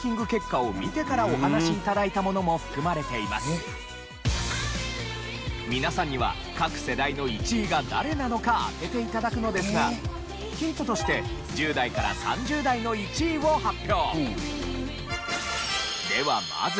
街で頂いた皆さんには各世代の１位が誰なのか当てて頂くのですがヒントとして１０代から３０代の１位を発表。